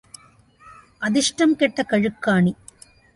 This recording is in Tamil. அதிர்ஷ்டம் கெட்ட கழுக்காணி.